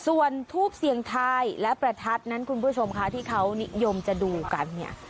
ส่วนทูบเสี่ยงทายและประทัดนั้นคุณผู้ชมค่ะที่เขานิยมจะดูกันเนี่ย